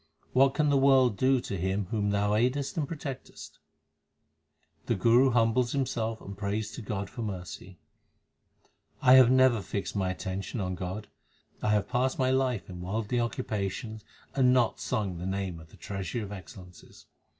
What can the world do to him whom Thou aidest and protectest ? The Guru humbles himself and prays to God for mercy : 1 have never fixed my attention on God. I have passed my life in worldly occupations and not sung the name of the Treasury of excellences.